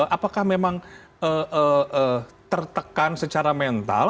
apakah memang tertekan secara mental